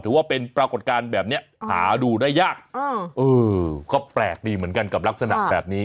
ถือว่าเป็นปรากฏการณ์แบบนี้หาดูได้ยากเออก็แปลกดีเหมือนกันกับลักษณะแบบนี้